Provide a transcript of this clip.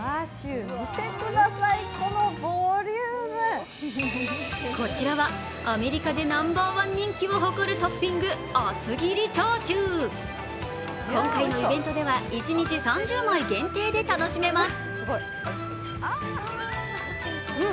更にこちらは、アメリカでナンバーワン人気を誇るトッピング、厚切りチャーシュー。今回のイベントでは一日３０枚限定で楽しめます。